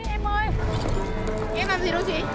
em ơi em làm gì đâu chị